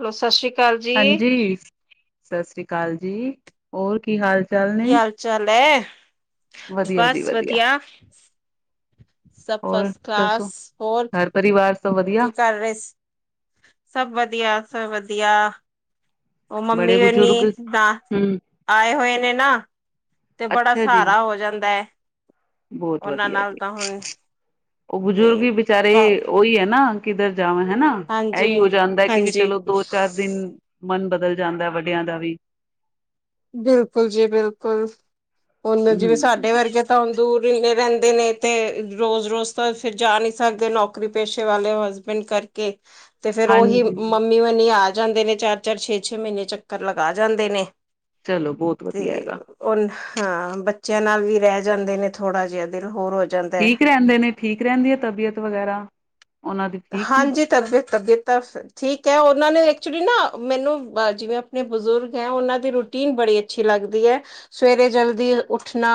ਲੋ, ਸਤਿ੍ਸ਼ੀ ਹਾਂਜੀ, ਸਤਿ ਸ੍ਰੀ ਅਕਾਲ ਜੀ। ਹੋਰ ਕੀ ਹਾਲ ਚਾਲ ਨੇ? ਕੀ ਹਾਲ-ਚਾਲ ਹੈ? ਵਧੀਆ ਜੀ ਬਸ ਵਧੀਆ। ਸਭ ਹੋਰ ਫਰਸਟ ਦੱਸੋ? ਕਲਾਸ। ਹੋਰ? ਘਰ ਪਰਿਵਾਰ ਸਭ ਵਧੀਆ ਕੀ ਕਰ ਰਹੇ ਸ? ਸਭ ਵਧੀਆ, ਸਭ ਵਧੀਆ। ਉਹ ਮੰਮੀ ਬੜੇ ਹੋਨੀ ਬਜ਼ੁਰਗ ਦਾਂ, ਹੂੰ, ਆਏ ਹੋਏ ਨੇ ਨਾ। ਤੇ ਬੜਾ ਅੱਛਾ ਜੀ। ਸਹਾਰਾ ਹੋ ਜਾਂਦਾ ਐ, ਬਹੁਤ ਉਹਨਾਂ ਵਧੀਆ ਨਾਲ ਜੀ, ਤਾਂ ਹੁਣ। ਉਹ ਤੇ ਬਜ਼ੁਰਗ ਹੀ ਬੀਚਾਰੇ ਉਹੀ ਹੈ ਨਾ, ਕਿੱਧਰ ਜਾਵਨ ਹੈਨਾ। ਹਾਂਜੀ ਇਹੀ ਹੋ ਜਾਂਦਾ ਕਿ ਵੀ ਹਾਂਜੀ ਚਲੋ, ਦੋ-ਚਾਰ ਦਿਨ ਮਨ ਬਦਲ ਜਾਂਦਾ ਵੱਡਿਆਂ ਦਾ ਵੀ। ਬਿਲਕੁਲ ਜੀ, ਬਿਲਕੁਲ। ਹੁਨ ਜਿਵੇਂ ਹੂੰ, ਸਾਡੇ ਵਰਗੇ ਤਾਂ ਦੂਰ ਇੰਨੇ ਰਹਿੰਦੇ ਨੇ, ਤੇ ਰੋਜ਼-ਰੋਜ਼ ਤਾਂ ਫਿਰ ਜਾ ਨਹੀਂ ਸਕਦੇ। ਨੌਕ ਕਰੀ ਪੇਸ਼ੇ ਵਾਲੇ ਹਸਬੈਂਡ ਕਰਕੇ, ਤੇ ਫਿਰ ਉਹੀ ਮੰਮੀ ਹਾਂਜੀ। ਮੰਮੀ ਓਨੀ ਆ ਜਾਂਦੇ ਨੇ ਚਾਰ-ਚਾਰ, ਛੇ-ਛੇ ਮਹੀਨੇ ਚੱਕਰ ਲਗਾ ਜਾਂਦੇ ਨੇ। ਚਲੋ ਬਹੁਤ ਵਧੀਆ ਤੇ, ਹੈਗਾ, ਓਨ, ਹਾਂ ਬੱਚਿਆਂ ਨਾਲ ਵੀ ਰਹਿ ਜਾਂਦੇ ਨੇ ਥੋੜਾ ਜਿਹਾ ਦਿਲ ਹੋਰ ਹੋ ਜਾਂਦਾ ਠੀਕ ਰਹਿੰਦੇ ਨੇ? ਠੀਕ ਰਹਿੰਦੀ ਹੈ, ਤਬੀਅਤ ਵਗੈਰਾ? ਉਹਨਾਂ ਦੀ ਠੀਕ ਨੀ? ਹਾਂਜੀ, ਤਬੀਅਤ-ਤਬੀਅਤ ਤਾਂ ਠੀਕ ਹੈ। ਉਹਨਾਂ ਨੇ ਐਕਚੁਲੀ ਨਾ ਮੈਨੂੰ ਜਿਵੇਂ ਜ ਬਜ਼ੁਰਗ ਹੈ ਉਹਨਾਂ ਦੀ ਰੂਟੀਨ ਬੜੀ ਅੱਛੀ ਲੱਗਦੀ ਹੈ, ਸਵੇਰੇ ਜਲਦੀ ਉੱਠਣਾ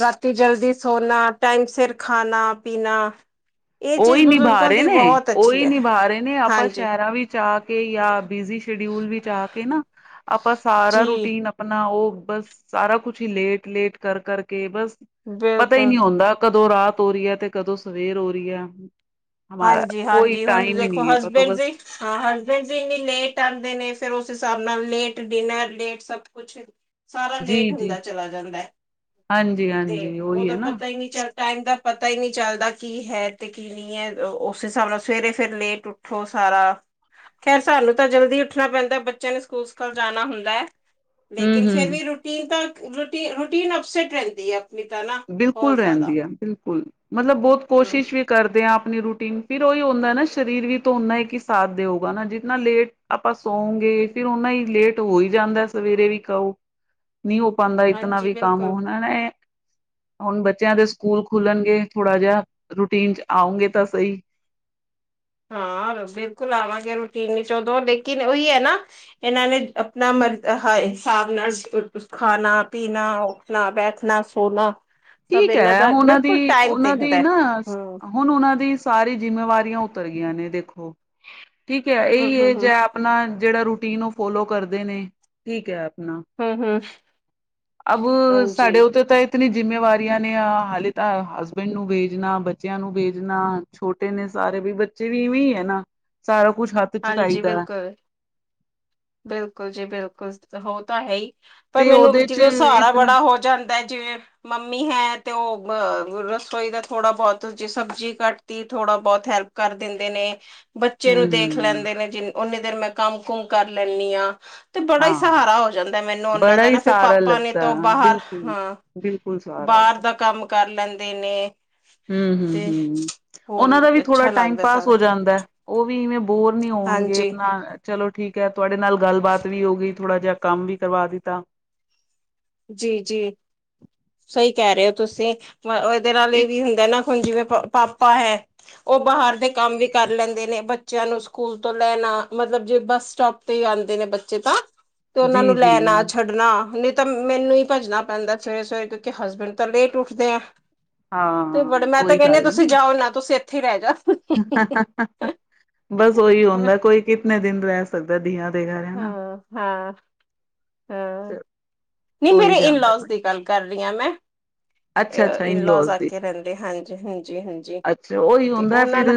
ਰਾਤੀ ਜਲਦੀ ਸੋਨਾ, ਟਾਈਮ ਸਿਰ ਖਾਣਾ-ਪੀਣਾ, ਇਹ ਚੀਜ਼ ਉਹੀ ਬਜ਼ੁਰਗ ਨਿਭਾ ਨੇ ਨਹੀਂ, ਉਹੀ ਨਿਭਾ ਰਹੇ ਨੇ ਆਪਾਂ ਹਾਂਜੀ ਸ਼ਹਿਰ ਆ ਵਿੱਚ ਆ ਕੇ ਜਾਂ ਬਿਜ਼ੀ ਸ਼ਡਿਊਲ ਵਿੱਚ ਆ ਕੇ ਨਾ, ਆਪਾਂ ਸਾਰਾ ਜੀ ਰੂਟੀਨ ਅਪ ਆਪਣਾ ਉਹ ਬਸ ਸਾਰਾ ਕੁਛ ਹੀ ਲੇਟ-ਲੇਟ ਕਰ ਕਰਕੇ ਬਸ ਪਤਾ ਹੀ ਬਿਲਕੁਲ ਨਹੀਂ ਹੁੰਦਾ ਕਦੋਂ ਰਾਤ ਹੋ ਰਹੀ ਹੈ ਤੇ ਕਦੋਂ ਸਵੇਰ ਹੋ ਰਹੀ ਹੈ। ਹਮਾਰਾ ਕੋਈ ਹਾਂਜੀ-ਹਾਂਜੀ, ਹੁਣ ਟਾਈਮ ਹੀ ਦੇਖੋ ਨਹੀਂ ਹੈ ਆਪਾਂ ਤੋਂ ਹਸਬੈਂਡ ਬਸ ਦੀ ਹਾਂ ਹਸਬੈਂਡ ਵੀ ਇੰਨੀ ਲੇਟ ਆਉਂਦੇ ਨੇ, ਫਿਰ ਉਸ ਹਿਸਾਬ ਨਾਲ ਲੇਟ ਡਿਨਰ ਲੇਟ ਸਭ ਕੁਛ। ਸਾਰਾ ਜੀ ਲੇਟ ਜੀ ਹੁੰਦਾ ਚਲਾ ਜਾਂਦਾ ਹੈ। ਹਾਂਜੀ ਤੇ ਹਾਂਜੀ ਉਹੀ ਉਹਦਾ ਹੈ ਨਾ ਪਤਾ ਹੀ ਨਹੀਂ ਚੱਲ ਟਾਈਮ ਦਾ ਪਤਾ ਹੀ ਨਹੀਂ ਚੱਲਦਾ, ਕੀ ਹੈ ਤੇ ਕੀ ਨਹੀਂ ਹੈ। ਉਸ ਹਿਸਾਬ ਨਾਲ ਸਵੇਰੇ ਫੇਰ ਲੇਟ ਉੱਠੋ ਸਾਰਾ। ਖੈਰ, ਸਾਨੂੰ ਤਾਂ ਜਲਦੀ ਉੱਠਣਾ ਪੈਂਦਾ। ਬੱਚਿਆਂ ਨੂੰ ਸਕੂਲ-ਸਕਾਲ ਜਾਣਾ ਹੁੰਦਾ ਹੈ। ਹੂੰ ਲੇਕਿਨ ਫਿਰ ਹੂੰ ਵੀ ਰੂਟੀਨ ਤਾਂ, ਰੂਟੀਨ ਅਪਸੈਟ ਰਹਿੰਦੀ ਹੈ ਆਪਣੀ ਤਾਂ ਨਾ। ਬਿਲਕੁਲ ਬਹੁਤ ਜ਼ਿਆਦਾ ਰਹਿੰਦੀ ਆ ਬਿਲਕੁਲ। ਮਤਲਬ ਬਹੁਤ ਹਮ ਕੋਸ਼ਿਸ਼ ਵੀ ਕਰਦੇ ਹਾਂ ਆਪਣੀ ਰੂਟੀਨ। ਫਿਰ ਉਹੀ ਹੁੰਦਾ ਨਾ ਸਰੀਰ ਵੀ ਤਾਂ ਉਨਾ ਹੀ ਇੱਕ ਸਾਥ ਦੇਊਗਾ ਨਾ ਜਿਤਨਾ ਲੇਟ ਆਪਾਂ ਸੌਗੇ। ਫਿਰ ਉਹਨਾ ਹੀ ਲੇਟ ਹੋ ਹੀ ਜਾਂਦਾ, ਸਵੇਰੇ ਵੀ ਕਹੋ। ਨਹੀਂ ਹੋ ਪਾਉਂਦਾ ਇਤਨਾ ਹਾਂਜੀ ਵੀ ਕੰਮ ਬਿਲਕੁਲ ਹੁਨ ਨ ਏ। ਹੁਣ ਬੱਚਿਆਂ ਦੇ ਸਕੂਲ ਖੁੱਲਣਗੇ, ਥੋੜ੍ਹਾ ਜਿਹਾ ਰੂਟੀਨ ਚ ਆਉਗੇ ਤਾਂ ਸਹੀ। ਹਾਂ, ਬਿਲਕੁਲ ਆਵਾਂਗੇ ਰੂਟੀਨ ਚ ਓਦੋ, ਲੇਕਿਨ ਉਹੀ ਹੈ ਨਾ ਇਹਨਾਂ ਨੇ ਆਪਣਾ ਮਰ ਹਿਸਾਬ ਨਾਲ ਖਾਣਾ-ਪੀਣਾ ਓ ਠਨਾ-ਬੈਠਨਾ, ਸੋਨਾ। ਠੀਕ ਹੈ, ਉਹਨਾਂ ਦੀ, ਉਹਨਾਂ ਦੀ ਹੁੰਦਾ ਨਾ ਹਮ ਹੁਣ ਉਹਨਾਂ ਦੀ ਸਾਰੀ ਜਿੰਮੇਵਾਰੀਆਂ ਉਤਰ ਗਈਆਂ ਨੇ, ਦੇਖੋ। ਠੀਕ ਹੈ, ਇਹੀ ਹਮ ਹਮ ਏਜ ਹਮ ਏ ਆਪ ਪਣਾ ਜਿਹੜਾ ਰੂਟੀਨ ਉਹ ਫੋਲੋ ਕਰਦੇ ਨੇ, ਠੀਕ ਹੈ ਆਪਣਾ ਹਮ ਹਮ ਅਬ, ਹਾਂਜੀ ਸਾਡੇ ਉਤੇ ਤਾਂ ਇਤਨੀ ਜਿੰਮੇਵਾਰੀ ਟਿਯਾਂ ਨੇ ਹਾਲੇ ਤਾਂ, ਹਸਬੈਂਡ ਨੂੰ ਵੇਜਣਾ, ਬੱਚਿਆਂ ਨੂੰ ਵੇਜਣਾ, ਛੋਟੇ ਨੇ ਸਾਰੇ ਵੀ, ਬਚ [unintelligible] ਵੀਵੇਂ ਹੈ ਨਾ, ਸਾਰਾ ਕੁੱਛ ਹੱਥ ਚ ਹਾਂਜੀ, ਚਾਹੀਦਾ ਬਿਲਕੁਲ। ਬਿਲਕੁਲ ਜੀ ਬਿਲਕੁਲ। ਉਹ ਤਾਂ ਹੈ ਹੀ। ਪਰ ਤੇ ਮੈਨੂੰ ਉਹਦੇ ਚ ਜਿਵੇਂ ਸਹਾਰਾ ਇਤਨਾ ਬੜਾ ਹੋ ਜਾਂਦਾ ਏ ਜਿਵੇਂ ਮੰਮੀ ਹੈ ਤੇ ਉਹ ਅ ਰਸੋਈ ਦਾ ਥੋੜਾ-ਬਹੁਤ ਜੇ ਸਬਜ਼ੀ ਕੱਟ ਤੀ ਥੋੜਾ-ਬਹੁਤ ਹੈਲਪ ਕਰ ਦਿੰਦੇ ਨੇ। ਬੱਚੇ ਨੂੰ ਦੇਖ ਹਮ ਲੈਂਦੇ ਨੇ ਜਿੰ, ਉਓਨੀ ਦੇਰ ਮੈਂ ਕੰਮ-ਕੁਮ ਕਰ ਲੈਂਦੀ ਹਾਂ। ਤੇ ਬੜਾ ਹੀ ਹਾਂ ਸਹਾਰਾ ਹੋ ਜਾਂਦਾ ਮੈਨੂੰ ਉਹਨਾਂ ਬੜਾ ਦਾ ਹੀ ਨਾ। ਫੇਿਰ ਸਾਰਾ ਪਾਪਾ ਨੇ ਤਾਂ ਲੱਗਦਾ ਓ ਬਾਹਰ, ਬਿਲਕੁਲ ਹਾਂ। ਬਿਲਕੁਲ ਸ ਬਾਹਰ ਦਾ ਕੰਮ ਕਰ ਲੈਂਦੇ ਨੇ। ਹੂ ਹੂ ਤੇ ਹੂ ਹੂ ਹੋਰ ਉਹਨਾਂ ਦਾ ਵੀ ਥੋੜ੍ਹਾ ਅੱਛਾ ਟਾਈਮ ਲੱਗਦਾ ਪਾਸ ਸਾਰਾ ਹੋ ਜਾਂਦਾ। ਉਹ ਵੀ ਇਵੇਂ ਬੋਰ ਨੀ ਹੋਣਗੇ ਹਾਂਜੀ ਆਪਣਾ ਚਲੋ ਠੀਕ ਹੈ ਤੁਹਾਡੇ ਨਾਲ ਗੱਲਬਾਤ ਵੀ ਹੋ ਗਈ ਥੋੜਾ ਜਿਹਾ ਕੰਮ ਵੀ ਕਰਵਾ ਦਿੱਤਾ। ਜੀ-ਜੀ, ਸਹੀ ਕਹਿ ਰਹੇ ਹੋ ਤੁਸੀਂ, ਮ ਇਹਦੇ ਨਾਲ ਇਹ ਵੀ ਹੁੰਦਾ ਨਾ ਹੁਣ ਜਿਵੇਂ ਪਾਪਾ ਹੈ ਉਹ ਬਾਹਰ ਦੇ ਕੰਮ ਵੀ ਕਰ ਲੈਂਦੇ ਨੇ। ਬੱਚਿਆਂ ਨੂੰ ਸਕੂਲ ਤੋਂ ਲੈਣਾ, ਮਤਲਬ ਜੇ ਬੱਸ ਸਟੋਪ ਹੀ ਆਉਂਦੇ ਨੇ ਬੱਚੇ ਤਾਂ, ਤੇ ਉਹਨਾ ਜੀ ਨੂੰ ਜੀ ਲੈਣਾ-ਛੱਡਣਾ ਨਿ ਤ ਮੈਨੂੰ ਹੀ ਭੱਜਣਾ ਪੈਂਦਾ ਸਵੇਰੇ-ਸਵੇਰੇ ਕਿਉਂਕਿ ਹਸਬੈਂਡ ਤਾਂ ਲੇਟ ਉੱਠਦੇ ਆ। ਤੇ ਹਾਂ ਬੜੇ। ਮੈਂ ਤਾਂ ਉਹੀ ਕਹਨਿਆ ਗੱਲ ਹੈ ਤੁਸੀਂ ਜਾਓ ਨਾ, ਤੁਸੀਂ ਇੱਥੇ ਹੀ ਰਹਿ ਜਾ। ਬਸ ਉਹੀ ਹੁੰਦਾ, ਕੋਈ ਕਿਤਨੇ ਦਿਨ ਰਹਿ ਸਕਦਾ ਧੀਆਂ ਦੇ ਘਰ ਹਨਾ ਹਾਂ, ਹਾਂ। ਹਾਂ, ਨਹੀਂ ਹੋ ਹੀ ਮੇਰੇ ਜਾਂਦਾ ਇਨਲਾਜ਼ ਕੋਈ ਦੀ ਗੱਲ ਕਰ ਰਹੀ ਹਾਂ ਮੈਂ। ਤੇ ਅੱਛਾ ਅੱਛਾ ਇਨਲਾਜ਼ ਇਨਲੋਸ ਆ ਦੀ ਕੇ ਰਹਿੰਦੇ ਹਾਂਜੀ ਹਾਂਜੀ ਹਾਂਜੀ ਅੱਛਾ ਉਹੀ ਤੇ ਹੁੰਦਾ ਉਹਨਾਂ ਫਿਰ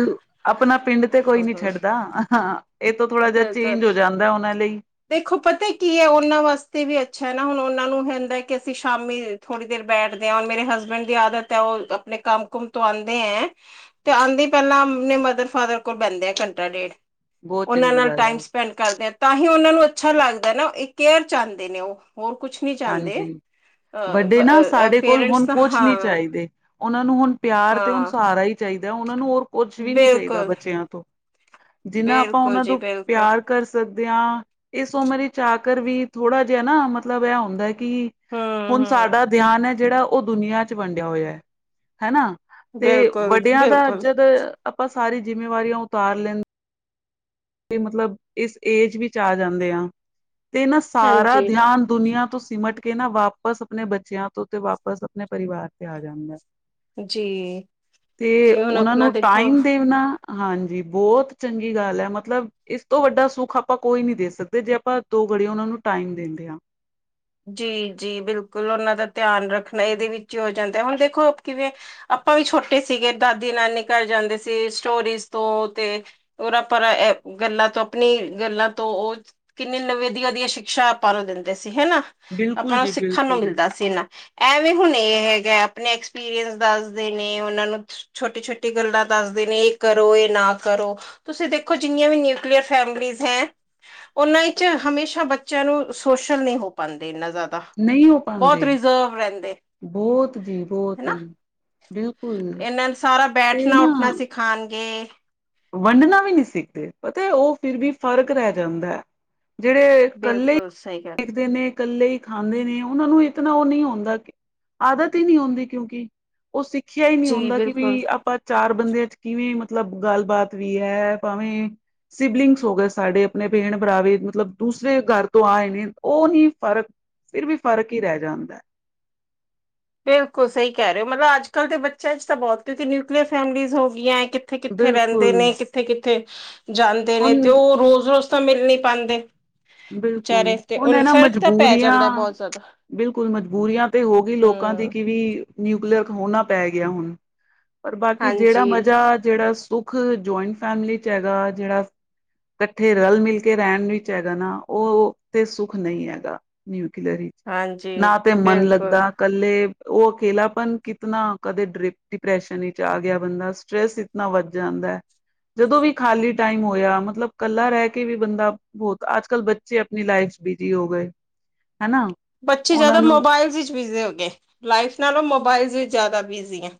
ਆਪਣਾ ਪਿੰਡ ਤੇ ਹਾਂ ਕੋਈ ਨੀ ਹਾਂ ਛੱਡਦਾ ਇਹ ਤੋਂ ਥੋੜ੍ਹਾ ਜਿਹਾ ਬਿਲਕੁਲ ਚੇਂਜ ਹੋ ਜਾਂਦਾ ਉਹਨਾਂ ਲਈ। ਦੇਖੋ ਪਤਾ ਕੀ ਹੈ ਉਹਨਾਂ ਵਾਸਤੇ ਵੀ ਅੱਛਾ ਹੈ ਨਾ ਹੁਣ ਉਹਨਾਂ ਨੂੰ ਹੁੰਦਾ ਕਿ ਸ਼ਾਮੀ, ਥੋੜੀ ਦੇਰ ਬੈਠਦੇ ਆ ਹੁਨ ਮੇਰੇ ਹਸਬੈਂਡ ਦੀ ਆਦਤ ਹੈ ਉਹ ਆਪਣੇ ਕੰਮ ਕੁਮ ਤੋਂ ਆਂਦੇ ਹੈ, ਤੇ ਆਂਦੇ ਈ ਪਹਿਲਾਂ ਆਪਣੇ ਮਦਰ ਫਾਦਰ ਕੋਲ ਬਹਿੰਦੇ ਆ ਘੰਟਾ ਡੇਢ। ਬਹੁਤ ਉਹਨਾ ਚੰਗੀ ਨਾਲ ਗੱਲ ਹੈ ਟਾਈਮ ਸਪੈਂਡ ਕਰਦੇ ਆ ਤਾਂ ਹੀ ਉਹਨਾ ਨੂੰ ਅੱਛਾ ਲੱਗਦਾ ਨਾ ਇਹ ਕੇਅਰ ਚਾਹੁੰਦੇ ਨੇ ਉਹ। ਹੋਰ ਕੁਛ ਨਹੀਂ ਚਾਹੁੰਦੇ। ਹਾਂਜੀ ਵੱਡੇ ਨਾ ਅ ਸਾਡੇ ਕੋਲ ਪੇਰੈਂਟਸ ਹੁਣ ਤਾਂ ਕੁਛ ਹਾਂ ਨੀ ਚਾਹੀਦੇ ਉਹਨਾਂ ਨੂੰ ਹੁਣ ਪਿਆਰ ਤੇ ਹੁਣ ਹਾਂ ਸਹਾਰਾ ਹੀ ਚਾਹੀਦਾ ਉਹਨਾਂ ਨੂੰ ਹੋਰ ਕੁੱਝ ਵੀ ਨੀ ਚਾਹੀਦਾ ਬਿਲਕੁਲ ਬੱਚਿਆਂ ਤੋਂ ਜਿੰਨਾ ਆਪਾਂ ਬਿਲਕੁਲ ਉਹਨਾਂ ਜੀ ਤੋਂ ਬਿਲਕੁਲ ਪਿਆਰ, ਕਰ ਸਕਦੇ ਹਾਂ ਇਸ ਉਮਰ ਚ ਆਕਰ ਵੀ ਥੋੜਾ ਜਿਹਾ ਨਾ ਮਤਲਬ ਇਹ ਹੁੰਦਾ ਕਿ ਹਮ ਹੁਣ ਹਮ ਸਾਡਾ ਧਿਆਨ ਹੈ ਜੇੜਾ ਉਹ ਦੁਨੀਆਂ ਚ ਵੰਡਿਆ ਹੋਇਆ ਹੈ। ਹੈਣਾ ਤੇ ਬਿਲਕੁਲ ਵੱਡਿਆਂ ਦਾ ਬਿਲਕੁਲ ਜਦ ਆਪਾਂ ਸਾਰੀ ਜਿੰਮੇਵਾਰੀਆਂ ਉਤਾਰ ਲੈਂਦੇ ਤੇ ਮਤਲਬ ਇਸ ਏਜ ਵਿੱਚ ਆ ਜਾਂਦੇ ਆ ਤੇ ਨਾ ਸਾਰਾ ਹਾਂਜੀ ਧਿਆਨ, ਦੁਨੀਆਂ ਤੋਂ ਸਿਮਟ ਕੇ ਨਾ ਵਾਪਸ ਆਪਣੇ ਬੱਚਿਆਂ ਤੋਂ ਤੇ ਵਾਪਸ ਆਪਣੇ ਪਰਿਵਾਰ ਤੇ ਆ ਜਾਂਦਾ। ਜੀ ਤੇ ਜੀ ਹੁਣ ਉਹਨਾਂ ਆਪਣਾ ਨੂੰ ਦੇਖੋ ਟਾਈਮ ਦੇਣਾ, ਹਾਂਜੀ ਬਹੁਤ ਚੰਗੀ ਗੱਲ ਹੈ ਮਤ ਮਤਲਬ ਇਸ ਤੋਂ ਵੱਡਾ ਸੁੱਖ ਆਪਾਂ ਕੋਈ ਨੀ ਦੇ ਸਕਦੇ ਜੇ ਆਪਾਂ ਦੋ ਘੜੀ ਉਹਨਾ ਨੂੰ ਟਾਈਮ ਦਿੰਨੈ ਆਂ। ਜੀ ਜੀ ਬਿਲਕੁਲ ਉਹਨਾਂ ਦਾ ਧਿਆਨ ਰੱਖਣਾ ਇਹਦੇ ਵਿੱਚ ਹੀ ਹੋ ਜਾਂਦਾ ਹੁਣ ਦੇਖੋ ਕਿਵੇਂ, ਆਪਾਂ ਵੀ ਛੋਟੇ ਸੀਗੇ ਦਾਦੀ ਨਾਨੀ ਘਰ ਜਾਂਦੇ ਸੀ ਸਟੋਰੀਜ਼ ਤੋਂ ਤੇ, ਉਰਾ ਪਰਾ ਐਹ ਗੱਲਾਂ ਤੋਂ ਆਪਣੀ ਗੱਲਾਂ ਤੋਂ ਉਹ, ਕਿੰਨੀ ਨਵੀ ਵਦੀਆ ਵਦੀਆ ਸ਼ਿਕਸ਼ਾ ਆਪਾਂ ਨੂੰ ਦਿੰਦੇ ਸੀ ਹੈਣਾ ਆਪਾਂ ਬਿਲਕੁਲ ਨੂੰ ਜੀ ਸਿੱਖਣ ਨੂੰ ਬਿਲਕੁਲ। ਮਿਲਦਾ ਸੀ ਇੰਨਾ। ਐਵੇਂ ਹੁਣ ਇਹ ਹੈਗਾ ਆਪਣੇ ਐਕਸਪੀਰੀਅੰਸ ਦੱਸਦੇ ਨੇ ਉਹਨਾਂ ਨੂੰ। ਛੋਟੀ ਛੋਟੀ ਗੱਲਾਂ ਦੱਸਦੇ ਨੇ ਇਹ ਕਰੋ ਇਹ ਨਾ ਕਰੋ। ਤੁਸੀਂ ਦੇਖੋ ਜਿੰਨੀਆਂ ਵੀ ਨਿਊਕਲੀਅਰ ਫੈਮਲੀਜ਼ ਹੈ, ਉਹਨਾਂ ਵਿੱਚ ਹਮੇਸ਼ਾ ਬੱਚਿਆਂ ਨੂੰ ਸੋਸ਼ਲ ਨਹੀਂ ਹੋ ਪਾਂਦੇ ਇੰਨਾ ਜ਼ਿਆਦਾ ਨਹੀਂ ਹੋ ਪਾਉਂਦੇ ਬਹੁਤ ਰਿਜ਼ਰਵ ਰਹਿੰਦੇ। ਬਹੁਤ ਜੀ ਬਹੁਤ ਹਨਾ ਬਿਲਕੁਲ। ਇਹਨਾਂ ਨੂੰ ਸਾਰਾ ਤੇ ਬੈਠਣਾ ਨਾ ਉੱਠਣਾ ਸਿਖਾਉਣਗੇ, ਵੰਡਣਾ ਵੀ ਨਹੀਂ ਸਿੱਖਦੇ ਪਤਾ ਉਹ ਫਿਰ ਵੀ ਫ਼ਰਕ ਰਹਿ ਜਾਂਦਾ ਹੈ। ਜਿਹੜੇ ਇਕੱਲੇ ਬਿਲਕੁਲ ਸਹੀ ਗੱਲ [unintelligible] ਨੇ, ਇਕੱਲੇ ਹੀ ਖਾਂਦੇ ਨੇ ਉਹਨਾਂ ਨੂੰ ਇਤਨਾ ਉਹ ਨਹੀਂ ਹੋਂਦਾ ਆਦਤ ਹੀ ਨਹੀਂ ਹੁੰਦੀ ਕਿਉਂਕਿ। ਉਹ ਸਿੱਖਿਆ ਹੀ ਨਹੀਂ ਜੀ ਹੁੰਦਾ ਕਿ ਬਿਲਕੁਲ ਬਈ ਆਪਾਂ ਚਾਰ ਬੰਦਿਆਂ ਚ ਕਿਵੇਂ ਮਤਲਬ, ਗੱਲਬਾਤ ਵੀ ਹੈ ਭਾਵੇਂ, ਸਿਬਲਿੰਗਸ ਹੋ ਗਏ ਸਾਡੇ ਆਪਣੇ ਭੈਣ ਭਰਾ ਵੀ ਮਤਲਬ ਦੂਸਰੇ ਘਰ ਤੋਂ ਆਏ ਨੇ ਉਹ ਨਹੀਂ ਫਰਕ ਫ਼ਿਰ ਵੀ ਫ਼ਰਕ ਹੀ ਰਹਿ ਜਾਂਦਾ। ਬਿਲਕੁਲ ਸਹੀ ਕਹਿ ਰਹੇ ਹੋ ਮਤਲਬ ਅੱਜ ਕੱਲ੍ਹ ਦੇ ਬੱਚਿਆਂ ਚ ਤਾਂ ਬਹੁਤ ਕਿਉਂਕਿ ਨਿਊਕਲੀਅਰ ਫੈਮਿਲੀਜ਼ ਹੋ ਗਈਆਂ ਹੈ। ਕਿੱਥੇ ਕਿੱਥੇ ਰਹਿੰਦੇ ਬਿਲਕੁਲ ਨੇ ਕਿੱਥੇ ਕਿੱਥੇ ਜਾਂਦੇ ਨੇ ਹੁਣ ਤੇ ਉਹ ਰੋਜ਼ ਰੋਜ਼, ਮਿਲ ਨੀ ਪਾਉਂਦੇ ਬਿਲਕੁਲ ਵਿਚਾਰੇ ਤੇ ਹੁਣ ਉਹਨੂੰ ਇਹ ਨਾ ਫ਼ਰਕ ਤਾਂ ਪੈ ਮਜਬੂਰੀਆਂ ਜਾਂਦਾ ਬਹੁਤ ਜ਼ਿਆਦਾ ਬਿਲਕੁਲ ਮਜਬੂਰੀਆਂ ਤੇ ਹੋ ਗਈ ਲੋਕਾਂ ਦੀ ਹਮ ਕਿ ਵੀ ਨਿਊਕਲੀਅਰ ਹੋਣਾ ਪੈ ਗਿਆ ਹੁਣ ਪਰ ਬਾਕੀ ਜਿਹੜਾ ਹਾਂਜੀ ਮਜ਼ਾ ਜਿਹੜਾ ਸੁੱਖ ਜੁਆਇੰਟ ਫੈਮਲੀ ਚ ਹੈਗਾ ਜਿਹੜਾ ਇਕੱਠੇ ਰਲ ਮਿਲ ਕੇ ਰਹਿਣ ਵਿੱਚ ਹੈਗਾ ਨਾ ਉਹ ਤੇ ਸੁੱਖ ਨਹੀਂ ਹੈਗਾ ਨਿਊਕਲੀਅਰ ਵਿੱਚ ਹਾਂਜੀ ਨਾ ਤੇ ਮਨ ਬਿਲਕੁਲ ਲੱਗਦਾ, ਇਕੱਲੇ ਉਹ ਅਕੇਲਾਪਨ ਕਿਤਨਾ ਕਦੇ ਡਿ ਡਿਪਰੈਸ਼ਨ ਵਿਚ ਆ ਗਿਆ ਬੰਦਾ ਸਟਰ੍ਰੈਸ ਇਤਨਾ ਵੱਧ ਜਾਂਦਾ ਹੈ ਜਦੋਂ ਵੀ ਖਾਲੀ ਟਾਈਮ ਹੋਇਆ ਮਤਲਬ ਇਕੱਲਾ ਰਹਿ ਕੇ ਵੀ ਬੰਦਾ ਬਹੁਤ ਆਜ ਕੱਲ ਬੱਚੇ ਆਪਣੀ ਲਾਈਫ ਚ ਬਿਜੀ ਹੋ ਗਏ ਨੇ ਹੈਣਾ। ਬੱਚੇ ਜ਼ਿਆਦਾ ਮੋਬਾਇਲਸ ਵਿੱਚ ਬਿਜ਼ੀ ਹੋ ਗਏ ਲਾਈਫ ਨਾਲੋਂ ਮੋਬਾਇਲ ਵਿੱਚ ਜ਼ਿਆਦਾ ਬਿਜ਼ੀ ਹੈ।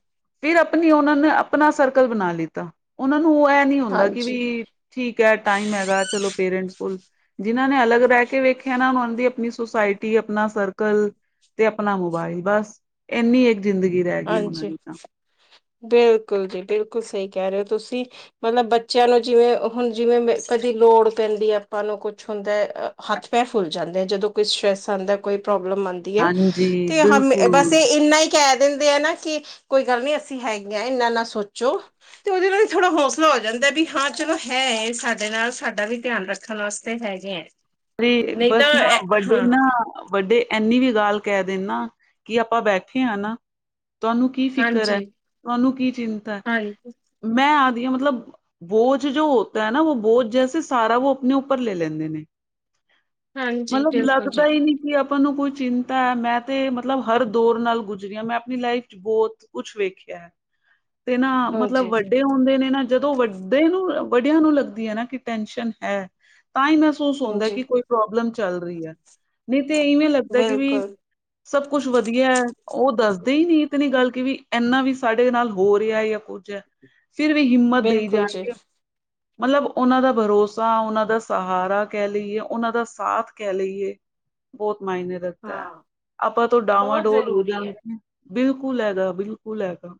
ਫੇਰ ਆਪਣੀ ਉਹਨਾਂ ਨੇ ਆਪਣਾ ਸਰਕਲ ਬਣਾ ਲਿੱਤਾ ਉਹਨਾਂ ਨੂੰ ਐਹ ਨੀ ਹੁੰਦਾ ਕਿ ਹਾਂਜੀ। ਬਈ, ਠੀਕ ਹੈ ਟਾਈਮ ਹੈਗਾ ਚਲੋ ਪੇਰੈਂਟਸ ਕੋਲ। ਜਿਨਾਂ ਨੇ ਅਲੱਗ ਬਹਿ ਕੇ ਵੇਖਿਆ ਨਾ ਉਹਨਾਂ ਦੀ ਆਪਣੀ ਸੁਸਾਇਟੀ ਆਪਣਾ ਸਰਕਲ, ਤੇ ਆਪਣਾ ਮੋਬਾਈਲ ਬਸ ਇੰਨੀ ਇੱਕ ਜ਼ਿੰਦਗੀ ਦਾ ਹਾਂਜੀ ਬਿਲਕੁਲ ਜੀ ਬਿਲਕੁਲ ਸਹੀ ਕਹਿ ਰਹੇ ਹੋ ਤੁਸੀਂ ਮਤਲਬ ਬੱਚਿਆਂ ਨੂੰ ਜਿਵੇਂ ਹੁਣ ਜਿਵੇਂ ਕਦੀ ਲੋੜ ਪੈਂਦੀ ਆਪਾਂ ਨੂੰ ਕੁੱਛ ਹੁੰਦਾ ਹੱਥ ਪੈ ਫੁੱਲ ਜਾਂਦੇ ਆ ਜਦੋਂ ਕੋਈ ਸਟਰੈੱਸ ਆਉਦਾ ਕੋਈ ਪ੍ਰੋਬਲਮ ਆਉਂ ਹਾਂਜੀ ਤੇ ਹਮ ਬਸ ਬਿਲਕੁਲ ਇਹ ਇੰਨਾ ਹੀ ਕਹਿ ਦਿੰਦੇ ਆ ਨਾ ਕਿ ਕੋਈ ਕਵੇ ਅਸੀਂ ਹੈਗੇ ਹ ਇਨਾ ਨਾ ਸੋਚੋ ਤੇ ਉਹਦੇ ਨਾਲ ਵੀ ਥੋੜਾ ਹੌਸਲਾ ਹੋ ਜਾਂਦਾ ਵੀ ਹਾਂ ਚਲੋ ਹੈ ਸਾਡੇ ਨਾਲ ਸਾਡਾ ਵੀ ਧਿਆਨ ਰੱਖ ਰਖਣ ਵਾਸਤੇ ਹੈਗੇ ਹੈ ਅ ਨਹੀਂ ਬੱਸ ਤਾਂ ਨਾ ਵਡੇ ਹਾਂ ਨਾ ਵੱਡੇ ਇੰਨੀ ਵੀ ਗੱਲ ਕਹਿ ਦਿੰਨ ਨਾ ਕਿ ਆਪਾਂ ਬੈਠੇ ਹਾਂ ਨਾ ਤੁਹਾਨੂੰ ਕੀ ਫਿਕਰ ਹੈ ਹਾਂਜੀ ਤੁਹਾਨੂੰ ਕੀ ਚਿੰਤਾ ਹੈ ਹਾਂਜੀ, ਮੈਂ ਆਦੀ ਹਾਂ ਮਤਲਬ ਬੋਝ ਜੋ ਹੋਤਾ ਹੈ ਨਾ ਉਹ ਬੋਝ ਜੈਸੇ ਸਾਰਾ ਵ ਆਪਣੇ ਉੱਪਰ ਲੈ ਲੈਂਦੇ ਨੇ ਹਾਂਜੀ ਮਤਲਬ ਬਿਲਕੁਲ ਲੱਗਦਾ ਜੀ। ਹੀ ਨਹੀਂ ਵੀ ਆਪਾਂ ਨੂੰ ਕੋਈ ਚਿੰਤਾ ਹੈ ਮੈਂ ਤੇ ਮਤਲਬ ਹਰ ਦੌਰ ਨਾਲ ਗੁਜਰੀ ਹ ਮੈਂ ਆਪਣੀ ਲਾਈਫ ਚ ਬਹੁਤ ਕੁਛ ਵੇਖਿਆ ਹੈ ਤੇ ਨਾ ਮਤਲਬ ਹਾਂਜੀ, ਵੱਡੇ ਹੁੰਦੇ ਨੇ ਨਾ ਜਦੋਂ ਵੱਡੇ ਨੂੰ ਵੱਡਿਆਂ ਨੂੰ ਲੱਗਦੀ ਹੈ ਨਾ ਕਿ ਟੈਸ਼ਨ ਹੈ ਤਾਂ ਹੀ ਮਹਿਸੂਸ ਹੁੰਦਾ ਹਾਂਜੀ ਕਿ ਕੋਈ ਪ੍ਰੋਬਲਮ ਚੱਲ ਰਹੀ ਹੈ ਨਹੀਂ ਤੇ ਇਵੇਂ ਲੱਗਦਾ ਕਿ ਵੀ ਬਿਲਕੁਲ, ਸਭ ਕੁਛ ਵਧੀਆ ਹੈ ਉਹ ਦੱਸਦੇ ਹੀ ਨਹੀਂੀ ਇਹ ਤਾਂ ਨ ਗੱਲ ਕਿ ਵੀ ਇੰਨਾ ਵੀ ਸਾਡੇ ਨਾਲ ਹੋ ਰਿਹਾ ਜਾਂ ਕੁੱਝ ਹੈ [unintelligible] ਫਿਰ ਵੀ ਹਿੰਮਤ ਦੇਈ ਬਿਲਕੁਲ ਜੀ। ਜਾਣਗੇ ਮਤਲਬ ਉਹਨਾਂ ਦਾ ਭਰੋਸਾ ਉਹਨਾਂ ਦਾ ਸਹਾਰਾ ਕਹਿ ਲਈਏ ਉਹਨਾਂ ਦਾ ਸਾਥ ਕਹਿ ਲਈਏ ਬਹੁਤ ਮਾਇਨੇ ਰੱਖਦਾ ਹਾਂ, ਆਪਾਂ ਤੋਂ ਡਾਵਾਂ ਬਹੁਤ ਡੋਲ ਹੋ ਜ਼ਰੂਰੀ ਜਾਣ ਐ। ਬਿਲਕੁਲ ਹੈਗਾ ਬਿਲਕੁਲ ਹੈਗਾ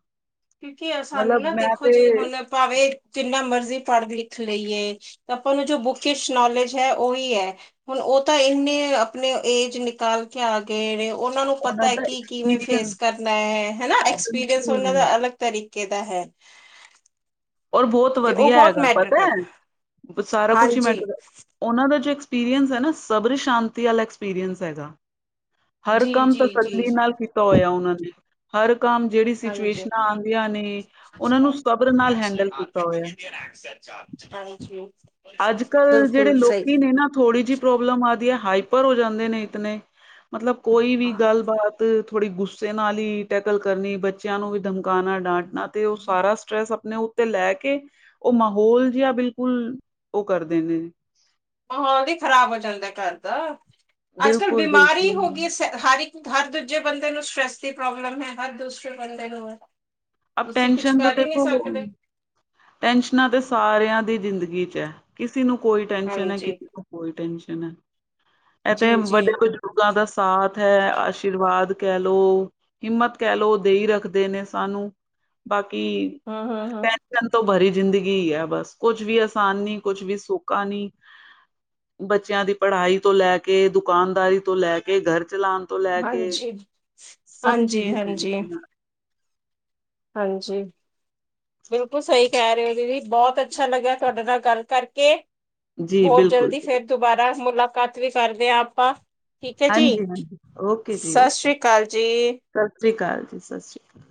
ਕਿਉਂਕਿ ਸਾਨੂੰ ਮਤਲਬ ਨਾ ਮੈਂ ਦੇਖੋ ਤੇ ਜੀ ਹੁਣ ਭਾਵੇਂ ਜਿੰਨਾ ਮਰਜ਼ੀ ਪੜ੍ਹ ਲਿਖ ਲਈਏ ਆਪਾਂ ਨੂੰ ਜੋ ਬੁਕਿਸ਼ ਨੌਲੇਜ ਹੈ ਉਹੀ ਹੈ ਹੁਣ ਉਹ ਤਾਂ ਇੰਨੇ ਆਪਣੇ ਏਜ ਨਿਕਾਲ ਆ ਗਏ ਨੇ ਉਹਨਾਂ ਨੂੰ ਪਤਾ ਹੈ ਦਾ ਕੀ ਕਿਵੇਂ ਫੇਸ ਐਕਸਪੀਰੀਅੰਸ ਕਰਨਾ ਹੈ ਹਨਾ ਐਕਸਪੀਰੀਅੰਸ ਉਹਨਾਂ ਬਿਲਕੁਲ ਦਾ ਅਲੱਗ ਤਰੀਕੇ ਦਾ ਹੈ ਔਰ ਬਹੁਤ ਤੇ ਉਹ ਵਧੀਆ ਬਹੁਤ ਹੈਗਾ ਮੈਟਰ ਪਤਾ ਕਰਦਾ ਹੈ ਸਾਰਾ ਕੁਛ ਹੀ ਹਾਂਜੀ, ਮੈਟਰ ਉਹਨਾਂ ਦਾ ਜੋ ਐਕਸਪੀਰੀਅੰਸ ਹੈ ਨਾ ਸਬਰ ਸ਼ਾਂਤੀ ਵਾਲਾ ਐਕਸਪੀਰੀਅੰਸ ਹੈਗਾ ਹਰ ਜੀ, ਕੰਮ ਤਾਂ ਜੀ, ਜੀ। ਤੱਲੀ ਨਾਲ ਕੀਤਾ ਹੋਇਆ ਉਹਨਾਂ ਨੇ ਹਰ ਕੰਮ ਜਿਹੜੀ ਹਾਂਜੀ, ਸਿਚੁਏਸ਼ਨਾਂ ਆਉਂਦੀਆਂ ਨੇ ਉਹਨਾਂ ਨੂੰ ਸਬਰ ਨਾਲ ਹੈਂਡ ਹਾਂਜੀ ਅੱਜ ਕੱਲ੍ਹ ਜਿਹੜੇ ਬਿਲਕੁਲ ਸਹੀ। ਲੋਕੀ ਨੇ ਨਾ ਥੋੜ੍ਹੀ ਜਿਹੀ ਪ੍ਰੋਬਲਮ ਆਦੀ ਹੈ ਹਾਈਪਰ ਹੋ ਜਾਂਦੇ ਨੇ ਇਤਨੇ ਮਤਲਬ ਕੋਈ ਵੀ ਗੱਲਬਾਤ ਥੋੜ੍ਹੀ ਗੁੱਸੇ ਨਾਲ ਹੀ ਟੈਕਲ ਕਰਨੀ, ਬੱਚਿਆਂ ਨੂੰ ਵੀ ਧਮਕਾਉਣਾ ਡਾਂਟਣਾ ਅਤੇ ਉਹ ਸਾਰਾ ਸਟਰੈਸ ਆਪਣੇ ਤੇ ਲੈ ਕੇ ਉਹ ਮਾਹੌਲ ਜਿਹਾ ਬਿਲਕੁਲ ਉਹ ਕਰਦੇ ਨੇ ਮਾਹੌਲ ਵੀ ਖ਼ਰਾਬ ਹੋ ਜਾਂਦਾ ਘਰ ਦਾ, ਅੱਜ ਕੱਲ ਬਿਲਕੁਲ ਬਿਮਾਰੀ ਬਿਲਕੁਲ ਹੋ ਗਈ ਸ ਹਰ ਇੱਕ ਹਰ ਦੂਜੇ ਬੰਦੇ ਨੂੰ ਸਟਰ੍ਰੈਸ ਦੀ ਪ੍ਰੋਬਲਮ ਹੈ ਹਰ ਦੂਸਰੇ ਬੰਦੇ ਨੂੰ ਅ ਤੁਸੀਂ ਕੁਛ ਟੈਨਸ਼ਨ ਤੋਂ ਕਰ ਹੀ ਨਹੀਂ ਦੇਖੋ ਸਕਦੇ ਟੈਨਸ਼ਨਾਂ ਤੇ ਸਾਰਿਆਂ ਦੀ ਜ਼ਿੰਦਗੀ ਚ ਹੈ ਕਿਸੇ ਨੂੰ ਕੋਈ ਟੈਨਸ਼ਨ ਹੈ ਹਾਂਜੀ ਕੋਈ ਟੈਂਸ਼ਨ ਹੈ ਇਹ ਤੇ ਜੀ ਜੀ ਵੱਡੇ ਕੁਛ ਬਜ਼ੁਰਗਾਂ ਦਾ ਸਾਥ ਹੈ ਆਸ਼ੀਰਵਾਦ ਕਹਿ ਲਓ ਹਿੰਮਤ ਕਹਿ ਲਓ ਦੇਈ ਰੱਖਦੇ ਨੇ ਸਾਨੂੰ ਬਾਕੀ ਹਮ ਹਾ ਤੋਂ ਭਰੀ ਜ਼ਿੰਦਗੀ ਹੀ ਹੈ ਬਸ ਕੁਛ ਵੀ ਆਸਾਨ ਨੀ ਕੁਛ ਵੀ ਸੋਕਾਾ ਨੀ ਬੱਚਿਆਂ ਦੀ ਪੜ੍ਹਾਈ ਤੋਂ ਲੈ ਕੇ ਦੁਕਾਨਦਾਰੀ ਤੋਂ ਲੈ ਕੇ ਘਰ ਚਲਾਉਣ ਤੋਂ ਲੈ ਕੇ ਹਾਂਜੀ ਸਭ ਚੀਜ਼ ਹਾਂਜੀ ਹੀ ਪੈ ਹਾਂਜੀ ਹਾਂਜੀ ਬਿਲਕੁਲ ਸਹੀ ਕਹਿ ਰਹੇ ਹੋ ਦੀਦੀ ਬਹੁਤ ਅੱਛਾ ਲੱਗਿਆ ਤੁਹਾਡੇ ਨਾਲ ਗੱਲ ਕਰਕੇ ਆ। ਜੀ ਹੋਰ ਬਿਲਕੁਲ, ਜਲਦੀ ਫਿਰ ਦੁਬਾਰਾ ਮੁਲਾਕਾਤ ਵੀ ਕਰਦੇ ਹਾਂ ਆਪਾਂ ਠੀਕ ਹੈ ਜੀ, ਹਾਂਜੀ-ਹਾਂਜੀ, ਓਕੇ ਜੀ ਸਤਿ ਓਕੇ, ਸ੍ਰੀ ਅਕਾਲ ਜੀ ਸਤਿ ਸ਼੍ਰੀ ਅਕਾਲ ਜੀ, ਸਤਿ ਸ਼੍ਰੀ ਅਕਾਲ।